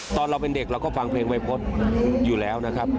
ตอนเราเป็นเด็กเราก็ฟังเพลงวัยพฤษอยู่แล้วนะครับ